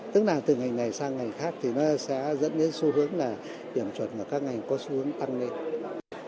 tức là từ ngành này sang ngành khác thì nó sẽ dẫn đến xu hướng là điểm chuẩn của các ngành có xu hướng tăng lên